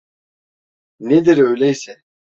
Nedir öyleyse?